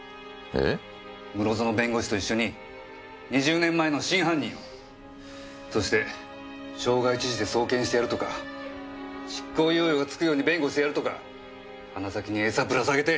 室園弁護士と一緒に２０年前の真犯人をそして傷害致死で送検してやるとか執行猶予がつくように弁護してやるとか鼻先にエサぶら下げて！